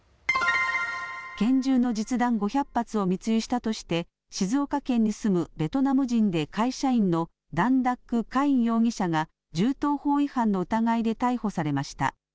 拳銃の実弾５００発を密輸したとして静岡県に住むベトナム人で会社員のダンダックカイン容疑者が銃刀法違反の疑いで逮捕されました。